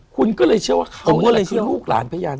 คุณก็เลยเชื่อว่าเขานี่แหละคือลูกหลานพยาน